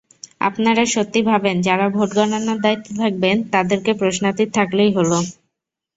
আপনারা সত্যি ভাবেন, যাঁরা ভোট গণনার দায়িত্বে থাকবেন, তাঁদেরটা প্রশ্নাতীত থাকলেই হলো।